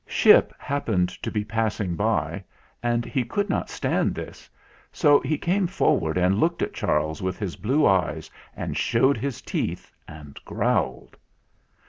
Ship happened to be passing by, and he could not stand this, so he came forward and looked at Charles with his blue eyes and showed his teeth and growled.